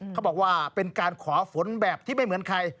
เขาบอกว่าเป็นการขอฝนแบบที่ไม่เหมือนใคร